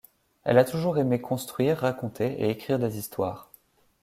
Elle a toujours aimé construire, raconter et écrire des histoires.